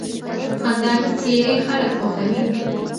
خندانې څېرې خلک خوښوي.